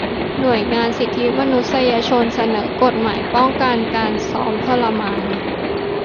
หน่วยงานสิทธิมนุษยชน เสนอกฎหมายป้องกันการซ้อมทรมาน